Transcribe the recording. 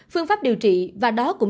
phương pháp điều trị và đó cũng chính